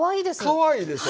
かわいいでしょ。